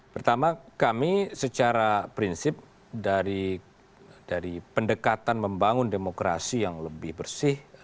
pertama kami secara prinsip dari pendekatan membangun demokrasi yang lebih bersih